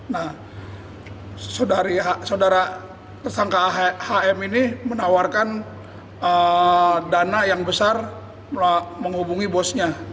nah saudara tersangka hm ini menawarkan dana yang besar menghubungi bosnya